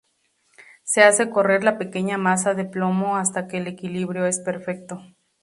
Se hace correr la pequeña masa de plomo hasta que el equilibrio es perfecto.